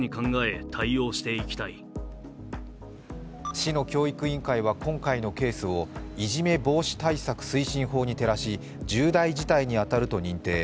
市の教育委員会は今回のケースをいじめ防止対策推進法に照らし重大事態に当たると認定。